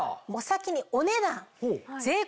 お先にお値段。